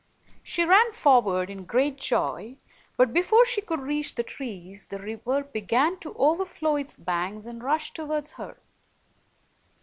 She ran forward in great joy, but before she could reach the trees, the river began to overflow its banks and rush toward her.